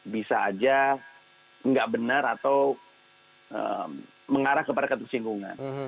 bisa aja nggak benar atau mengarah kepada ketersinggungan